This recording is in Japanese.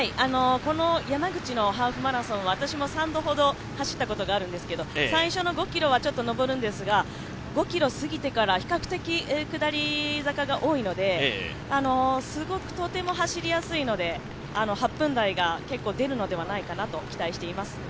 この山口のハーフマラソン私も３度ほど走ったことあるんですけど最初の５ｋｍはちょっと上るんですが５ｋｍを過ぎてから比較的下り坂が多いので、とても走りやすいので、８分台が結構出るのではないかなと期待しています。